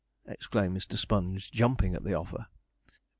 exclaimed Mr. Sponge, jumping at the offer.